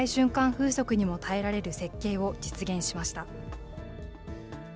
風速にも耐えられる設計を実現しました。